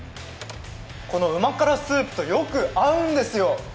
この旨辛スープとよく合うんですよ。